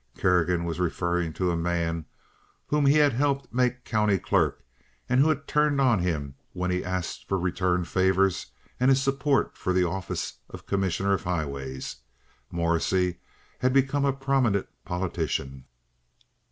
Kerrigan was referring to a man whom he had helped make county clerk, and who had turned on him when he asked for return favors and his support for the office of commissioner of highways. Morrissey had become a prominent politician.